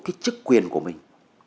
cái chức quyền của mình